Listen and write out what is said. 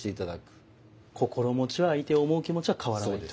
心持ちは相手を思う気持ちは変わらないと。